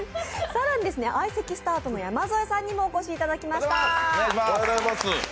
更に相席スタートの山添さんにもお越しいただきました。